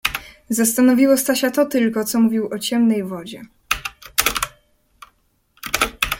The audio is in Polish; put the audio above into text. Zastanowiło Stasia to tylko, co mówił o „Ciemnej Wodzie".